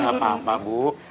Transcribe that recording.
gak apa apa bu